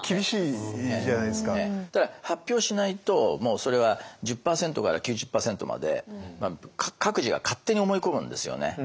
ただ発表しないともうそれは１０％から９０％まで各自が勝手に思い込むんですよね。